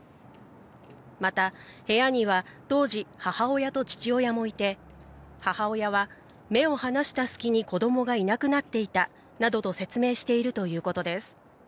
また、部屋には当時、母親と父親もいて、母親は、目を離した隙に子どもがいなくなっていたなどと説明しているということです。